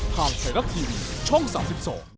ท่านเศรษฐกิวิตช่องสรรพิษา